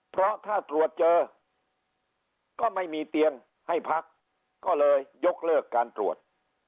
เพราะถ้าตรวจเจอก็ไม่มีเตียงให้พักก็เลยยกเลิกการตรวจ